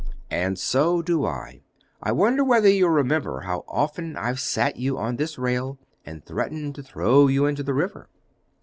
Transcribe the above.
"And so do I. I wonder whether you remember how often I've sat you on this rail and threatened to throw you into the river?"